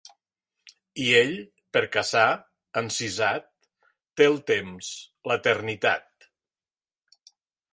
I ell, per caçar, encisat, té el temps, l’eternitat.